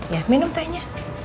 ya minum tehnya